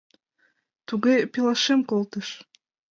— Туге, пелашем колтыш.